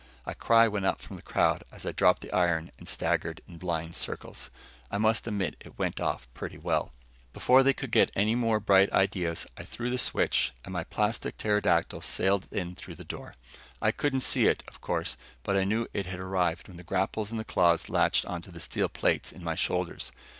A cry went up from the crowd as I dropped the iron and staggered in blind circles. I must admit it went off pretty well. Before they could get any more bright ideas, I threw the switch and my plastic pterodactyl sailed in through the door. I couldn't see it, of course, but I knew it had arrived when the grapples in the claws latched onto the steel plates on my shoulders.